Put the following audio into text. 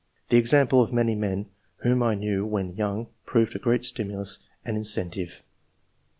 The example of many men whom I knew when young proved a great stimulus and incen tive."